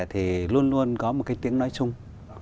thì luôn luôn có một cái tiếng nói chung